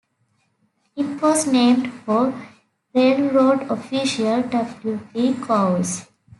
It was named for railroad official W. D. Cowles.